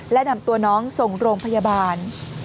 และนำตัวน้องส่งโรงพยาบาล